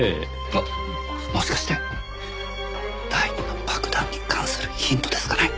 あっもしかして第２の爆弾に関するヒントですかね？